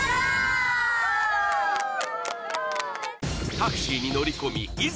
タクシーに乗り込みいざ